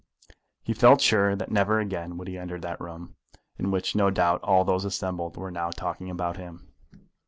He felt sure that never again would he enter that room, in which no doubt all those assembled were now talking about him.